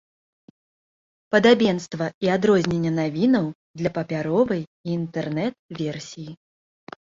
Падабенства і адрозненне навінаў для папяровай і інтэрнэт-версіі.